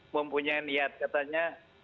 mempunyai niat katanya